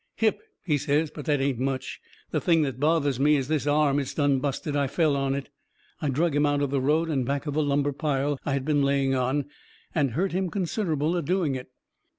"Hip," he says, "but that ain't much. The thing that bothers me is this arm. It's done busted. I fell on it." I drug him out of the road and back of the lumber pile I had been laying on, and hurt him considerable a doing it.